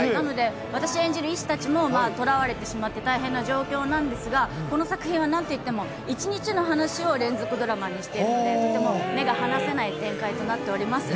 私が演じる医師たちも捕らわれてしまって、大変な状況なんですが、この作品はなんといっても、１日の話を連続ドラマにしていて、とても目が離せない展開となっております。